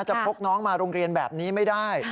พกน้องมาโรงเรียนแบบนี้ไม่ได้